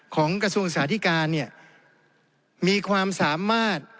กระทรวงศึกษาธิการเนี่ยมีความสามารถ